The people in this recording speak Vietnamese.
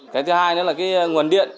cái thứ hai là nguồn điện